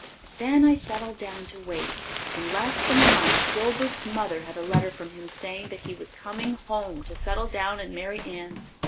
Then I settled down to wait. In less than a month Gilbert's mother had a letter from him saying that he was coming home to settle down and marry Anne.